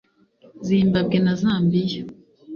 Zimbabwe na Zambia